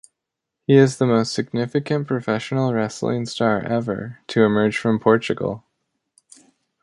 He is the most significant professional wrestling star ever to emerge from Portugal.